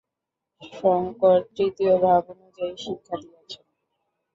শঙ্কর তৃতীয় ভাবানুযায়ী শিক্ষা দিয়াছেন।